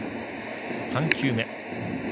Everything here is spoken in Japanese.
３球目。